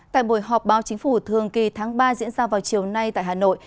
tại buổi họp báo chính phủ thường kỳ tháng ba diễn ra vào chiều nay tại hà nội